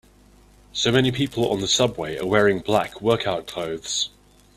So many people on the subway are wearing black workout clothes.